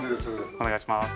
お願いします